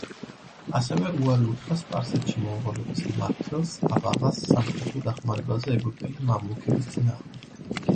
ასევე უარი უთხრა სპარსეთში მონღოლების მმართველს აბაღას სამხედრო დახმარებაზე ეგვიპტელი მამლუქების წინააღმდეგ.